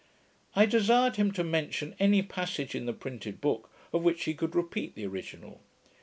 I desired him to mention any passage in the printed book, of which he could repeat the original.